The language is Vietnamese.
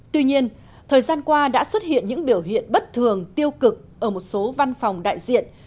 tuy nhiên thời gian qua đã xuất hiện những biểu hiện bất thường tiêu cực ở một số văn phòng đại diện